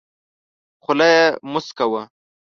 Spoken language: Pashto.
خوله یې موسکه وه .